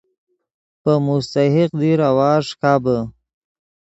پے مستحق دیر آواز ݰیکابے